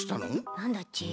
なんだち？